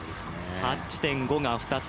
８．５が２つ。